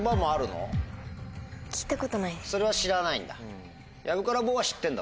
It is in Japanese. それは知らないんだ。